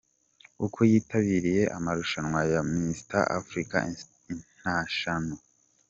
Uko yitabiriye amarushanwa ya Misita Afurika Intanashono.